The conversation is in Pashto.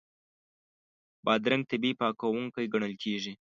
بادرنګ طبیعي پاکوونکی ګڼل کېږي.